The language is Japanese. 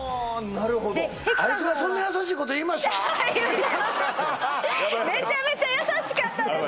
なるほどめちゃめちゃ優しかったんです